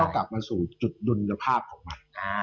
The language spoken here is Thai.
กลับมาสู่จุดดุลภาพของมัน